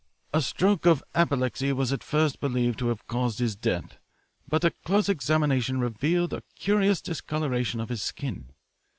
A stroke of apoplexy was at first believed to have caused his death, but a close examination revealed a curious discolouration of his skin.